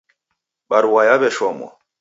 Barua yaw'eshomwa.